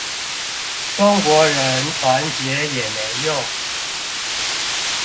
中國人團結也沒用